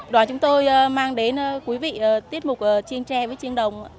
đoàn chúng tôi mang đến quý vị tiết mục chin tre với chiêng đồng